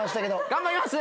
頑張ります。